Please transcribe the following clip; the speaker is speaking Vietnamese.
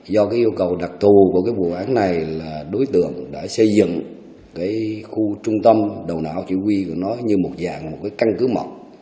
do cái yêu cầu đặc thù của cái vụ án này là đối tượng đã xây dựng cái khu trung tâm đầu não chỉ huy của nó như một dạng một cái căn cứ mọc